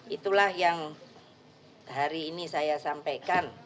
itulah yang hari ini saya sampaikan